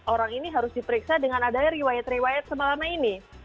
orang ini harus diperiksa dengan adanya riwayat riwayat semalaman ini